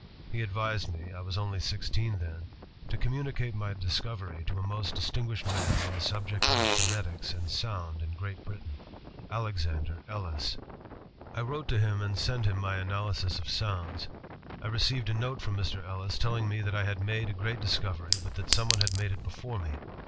... He advised me — I was only sixteen then — to communicate my discovery to a most distinguished man on the subject of phonetics and sound in Great Britain, Alexander Ellis. *' I wrote to him and sent him my analysis of sounds. ... I received a note from Mr. Ellis telling me that I had made a great discovery, but that someone had made it before me.